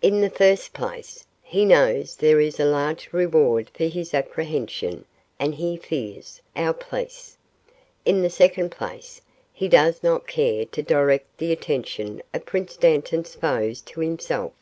In the first place, he knows there is a large reward for his apprehension and he fears our police. In the second place, he does not care to direct the attention of Prince Dantan's foes to himself.